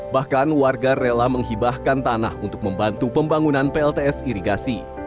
bahkan warga rela menghibahkan tanah untuk membantu pembangunan plts irigasi